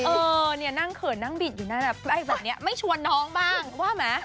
เออเนี่ยนั่งเขินนั่งบิดอยู่นั่นแบบนี้ไม่ชวนน้องบ้างว่าไหม